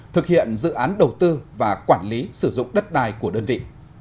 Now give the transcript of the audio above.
thực hiện dự án đầu tư và quản lý sử dụng đất đai của đơn vị